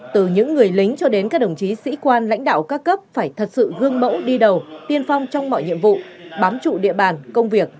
từ những người lính cho đến các đồng chí sĩ quan lãnh đạo các cấp phải thật sự gương mẫu đi đầu tiên phong trong mọi nhiệm vụ bám trụ địa bàn công việc